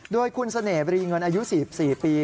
โดยคุณเสน่หรีเงินอายุ๔๔ปี